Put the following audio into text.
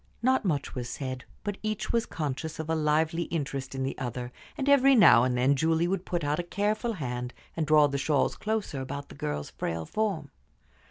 Not much was said, but each was conscious of a lively interest in the other, and every now and then Julie would put out a careful hand and draw the shawls closer about the girl's frail form.